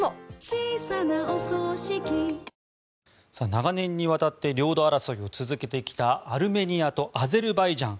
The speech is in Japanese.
長年にわたって領土争いを続けてきたアルメニアとアゼルバイジャン。